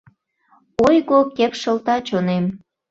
Ойго кепшылта чонем.